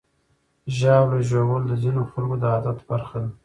ژاوله ژوول د ځینو خلکو د عادت برخه ده.